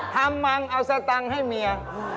ทำมังเอาสะทางให้เมีย